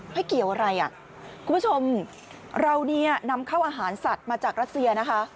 ไม่เกี่ยวอะไรอ่ะคุณผู้ชมเราเนี่ยนำเข้าอาหารสัตว์มาจากรัสเซียนะคะ